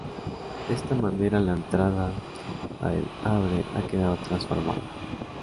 De esta manera la entrada a El Havre ha quedado transformada.